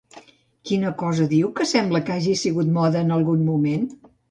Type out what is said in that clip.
Quina cosa diu que sembla que hagi sigut moda en algun moment?